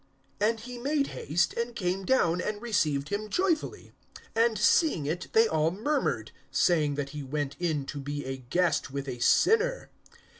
(6)And he made haste, and came down, and received him joyfully. (7)And seeing it, they all murmured, saying that he went in to be a guest with a sinner.